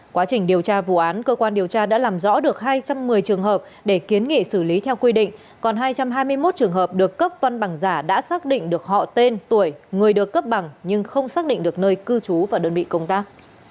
quá trình điều tra vụ án cơ quan điều tra đã làm rõ được hai trăm một mươi trường hợp để kiến nghị xử lý theo quy định còn hai trăm hai mươi một trường hợp được cấp văn bằng giả đã xác định được họ tên tuổi người được cấp bằng nhưng không xác định được nơi cư trú và đơn vị công tác